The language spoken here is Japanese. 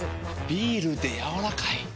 ビールでやわらかい。